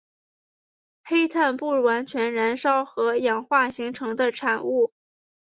黑碳不完全燃烧和氧化形成的产物。